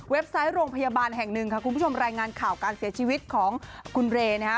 ไซต์โรงพยาบาลแห่งหนึ่งค่ะคุณผู้ชมรายงานข่าวการเสียชีวิตของคุณเรย์นะฮะ